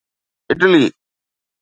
Italy